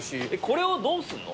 これをどうすんの？